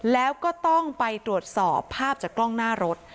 แล้วก็ต้องไปตรวจสอบภาพจากกล้องหน้ารถ